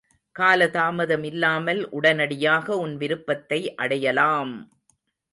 கால தாமதமில்லாமல் உடனடியாக உன் விருப்பத்தை அடையலாம்!